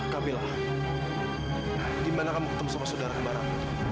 kamila di mana kamu ketemu sama saudara kemarah